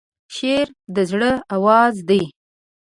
شعر د زړه آواز دی.